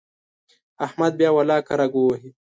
احمد بیا ولاکه رګ ووهي.